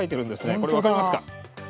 これ、分かりますか？